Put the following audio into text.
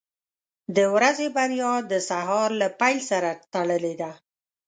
• د ورځې بریا د سهار له پیل سره تړلې ده.